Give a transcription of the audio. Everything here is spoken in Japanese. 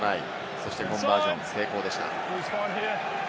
そしてコンバージョン成功でした。